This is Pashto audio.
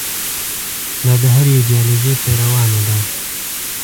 دا د هرې ایدیالوژۍ پیروانو ده.